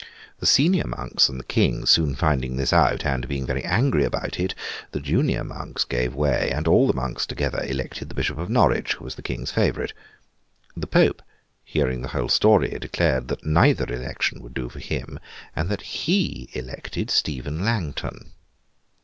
The senior monks and the King soon finding this out, and being very angry about it, the junior monks gave way, and all the monks together elected the Bishop of Norwich, who was the King's favourite. The Pope, hearing the whole story, declared that neither election would do for him, and that he elected Stephen Langton.